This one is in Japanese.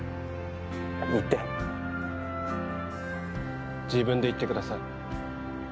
いるって自分で言ってください。